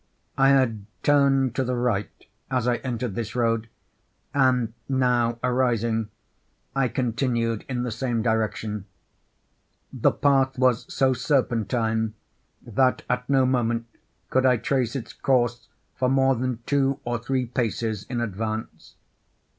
I had turned to the right as I entered this road, and now, arising, I continued in the same direction. The path was so serpentine, that at no moment could I trace its course for more than two or three paces in advance.